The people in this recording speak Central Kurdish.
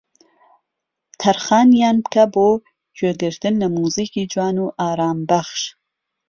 تەرخانیان بکە بۆ گوێگرتن لە موزیکی جوان و ئارامبەخش